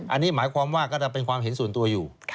อันนี้หมายความว่าก็จะเป็นความเห็นส่วนตัวอยู่